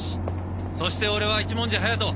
そしてオレは一文字隼人。